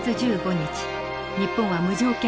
日本は無条件降伏。